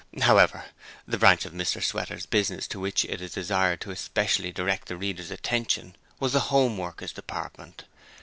However, the branch of Mr Sweater's business to which it is desired to especially direct the reader's attention was the Homeworkers Department.